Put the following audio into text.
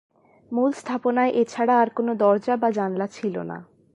মূল স্থাপনায় এছাড়া আর কোন দরজা বা জানালা ছিল না।